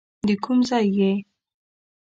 د کوم ځای یې.